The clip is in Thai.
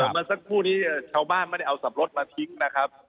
เมื่อสักครู่นี้ชาวบ้านไม่ได้เอาสับปะรดมาทิ้งนะครับ